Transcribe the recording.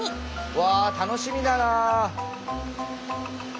うわあ楽しみだな！